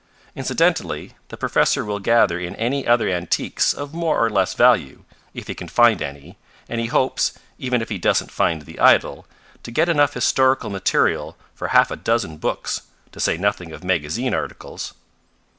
Incidentally the professor will gather in any other antiques of more or less value, if he can find any, and he hopes, even if he doesn't find the idol, to get enough historical material for half a dozen books, to say nothing of magazine articles."